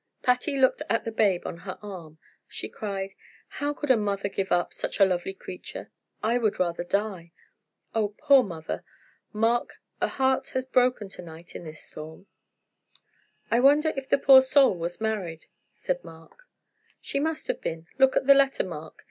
Patty looked at the babe on her arm. She cried: "How could a mother give up such a lovely creature! I would rather die! Oh, poor mother! Mark, a heart has broken to night in this storm." "I wonder if the poor soul was married?" said Mark. "She must have been! Look at the letter, Mark.